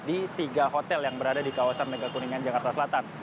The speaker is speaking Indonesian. di tiga hotel yang berada di kawasan megakuningan jakarta selatan